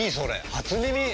初耳！